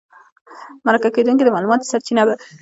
مرکه کېدونکی د معلوماتو سرچینه ده.